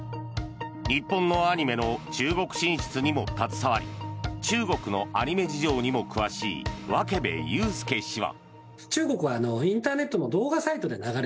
日本のアニメの中国進出にも携わり中国のアニメ事情にも詳しい分部悠介氏は。